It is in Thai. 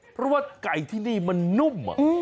เพราะว่าไก่ที่นี่มันนุ่ม